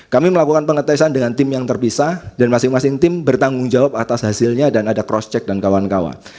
kami melakukan pengetesan dengan tim yang terpisah dan masing masing tim bertanggung jawab atas hasilnya dan ada cross check dan kawan kawan